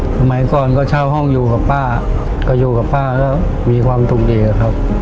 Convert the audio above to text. สมัยก่อนก็เช่าห้องอยู่กับป้าก็อยู่กับป้าก็มีความสุขดีครับ